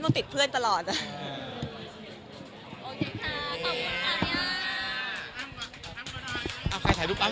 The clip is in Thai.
ขอบคุณครับ